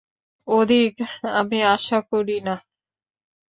অধিক আমি আশা করি না।